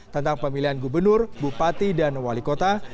tentang pemilihan gubernur bupati dan wali kota